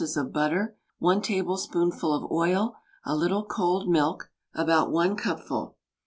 of butter, 1 tablespoonful of oil, a little cold milk (about 1 cupful).